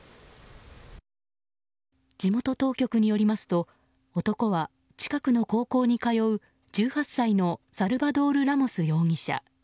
地元当局によりますと、男は近くの高校に住む１８歳のサルバドール・ラモス容疑者。